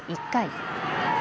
１回。